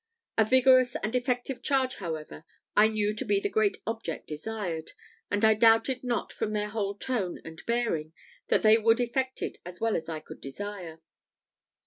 A vigorous and effective charge, however, I knew to be the great object desired; and I doubted not from their whole tone and bearing that they would effect it as well as I could desire.